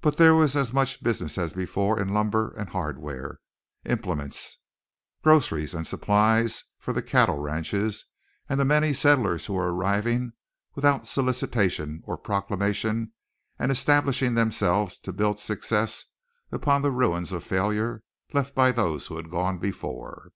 But there was as much business as before in lumber and hardware, implements, groceries, and supplies for the cattle ranches and the many settlers who were arriving without solicitation or proclamation and establishing themselves to build success upon the ruins of failure left by those who had gone before.